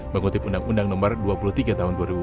mengutip undang undang nomor dua puluh tiga tahun dua ribu dua